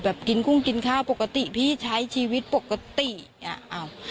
แบบกินกุ้งกินข้าวปกติพี่ใช้ชีวิตปกติอ่ะอ้าว